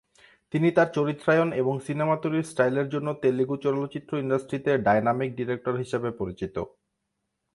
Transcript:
তিনি তার চরিত্রায়ন এবং সিনেমা তৈরির স্টাইলের জন্য তেলুগু চলচ্চিত্র ইন্ডাস্ট্রিতে "ডায়নামিক ডিরেক্টর" হিসাবে পরিচিত।